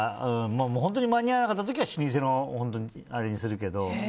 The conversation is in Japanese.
本当に間に合わなかった時は老舗にするけど。